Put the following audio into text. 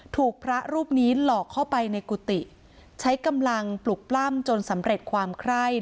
ถูกพระรูปนี้หลอกเข้าไปในกุฏิใช้กำลังปลุกปล้ำจนสำเร็จความไคร้